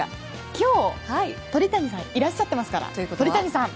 今日、鳥谷さんがいらっしゃってるので鳥谷さん！